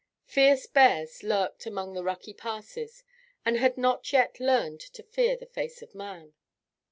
Fierce bears lurked among the rocky passes, and had not yet learned to fear the face of man.